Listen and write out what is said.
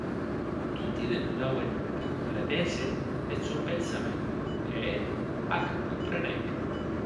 Toti demorauen que completèsse eth sòn pensament e eth ac comprenèc.